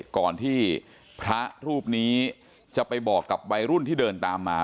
ก่อนที่พระรูปนี้จะไปบอกกับวัยรุ่นที่เดินตามมา